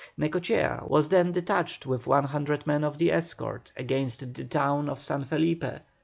Necochea was then detached with 100 men of the escort against the town of San Felipe.